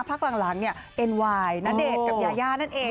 พักหลังเนี่ยเอ็นไวน์ณเดชน์กับยาย่านั่นเอง